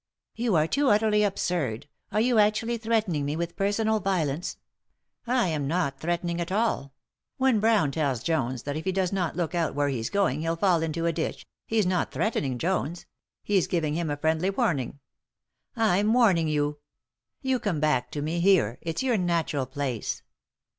"Yon are too utterly absurd— are yon actually threatening me with personal violence ?" "I am not threatening at all. When Brown tells Jones that if he does not look out where he's going he'll fall into a ditch, he's not threatening Jones — he's giving him a friendly warning. I'm warning you. You come back to me here, it's your natural place."